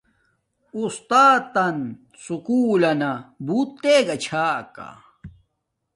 اُستاتن سکُول لنا بوت تگا چھا کا